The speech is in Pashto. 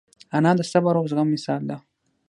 انا د صبر او زغم مثال ده